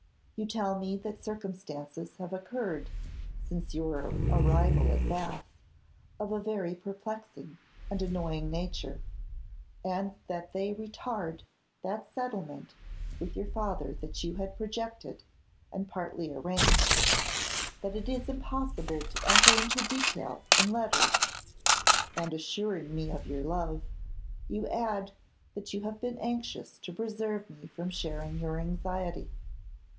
You tell me that circumstances have occurred, since your arrival at Bath, of a very perplexing and annoying nature, and that they retard that settlement with your father that you had projected and partly arranged; that it is impossible to enter into detail in letters; and assuring me of your love, you add that you have been anxious to preserve me from sharing your anxiety.